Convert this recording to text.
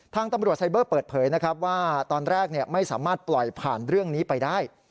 ทางตำรวจไซเบอร์เปิดเผยนะครับว่าตอนแรกไม่สามารถปล่อยผ่านเรื่องนี้ไปได้